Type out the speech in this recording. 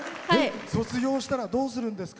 卒業したらどうするんですか？